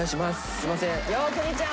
すみません。